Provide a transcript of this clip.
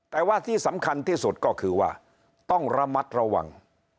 แต่ว่าที่สำคัญที่สุดก็คือว่าต้องระมัดระวัง